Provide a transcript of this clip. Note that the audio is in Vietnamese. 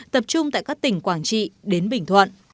tập trung tại các tỉnh quảng trị đến bình thuận